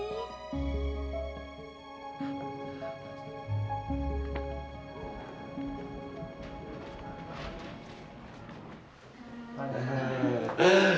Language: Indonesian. aku mau ke rumah